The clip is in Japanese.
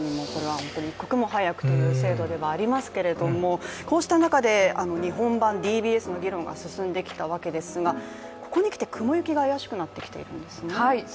被害者を守るためにも、これは一刻も早くという制度でありますけど、こうした中で日本版ＤＢＳの議論が進んできたんですけれどもここにきて雲行きが怪しくなってきているんですね。